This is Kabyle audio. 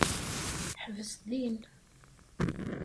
Ḥbes din.